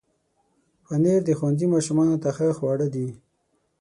پنېر د ښوونځي ماشومانو ته ښه خواړه دي.